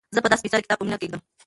زه به دا سپېڅلی کتاب په مینه کېږدم.